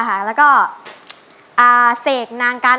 หนึ่งว่าขาดขาครับ